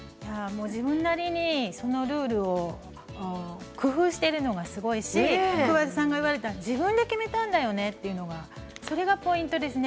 自分なりにそのルールを工夫しているのがすごいしくわばたさんが言われた自分で決めたんだよねというのがそれがポイントですね。